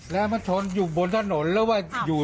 แล้วมาชนอยู่บนถนนหรือว่าอยู่